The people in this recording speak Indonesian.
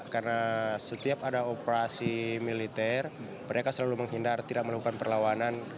karena setiap ada operasi militer mereka selalu menghindar tidak melakukan perlawanan